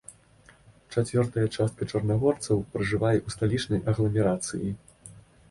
Чацвёртая частка чарнагорцаў пражывае ў сталічнай агламерацыі.